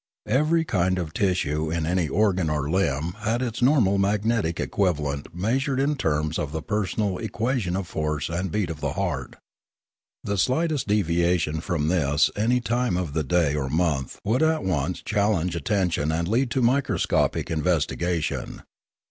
Every kind of tissue in any organ or limb had its normal magnetic equivalent measured in terms of the personal equation of force and beat of the heart. The slightest deviation from this at any time of the day or month would at once challenge attention and lead to microscopic investigation.